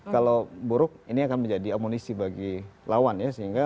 kalau buruk ini akan menjadi amunisi bagi lawan ya